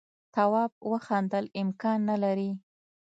تواب وخندل امکان نه لري.